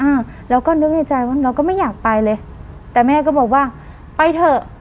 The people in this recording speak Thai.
อ้าวเราก็นึกในใจว่าเราก็ไม่อยากไปเลยแต่แม่ก็บอกว่าไปเถอะ